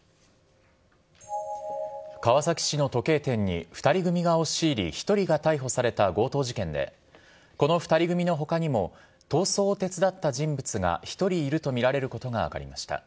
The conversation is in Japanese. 川崎市の時計店に２人組が押し入り、１人が逮捕された強盗事件で、この２人組のほかにも、逃走を手伝った人物が１人いると見られることが分かりました。